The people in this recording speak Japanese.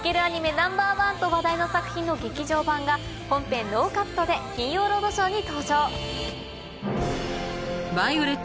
ナンバーワンと話題の作品の劇場版が本編ノーカットで『金曜ロードショー』に登場。